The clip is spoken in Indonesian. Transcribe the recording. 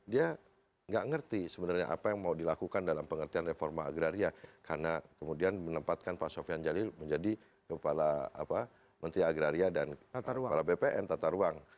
ini ada satu gambaran bahwa pak joko widodo dia nggak ngerti sebenarnya apa yang mau dilakukan dalam pengertian reforma agraria karena kemudian menempatkan pak sofyan jalil menjadi kepala menteri agraria dan kepala bpn tata ruang